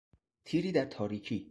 تیری در تاریکی